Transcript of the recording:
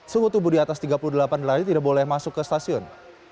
suhu tubuh di atas tiga puluh delapan derajat tidak boleh masuk ke stasiun